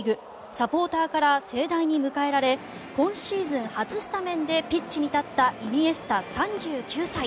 サポーターから盛大に迎えられ今シーズン初スタメンでピッチに立ったイニエスタ、３９歳。